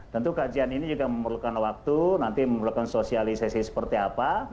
tentu kajian ini juga memerlukan waktu nanti memerlukan sosialisasi seperti apa